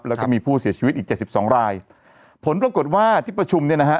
แล้วก็มีผู้เสียชีวิตอีกเจ็ดสิบสองรายผลปรากฏว่าที่ประชุมเนี่ยนะฮะ